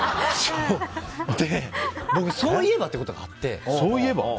で、僕そういえばってことがあって。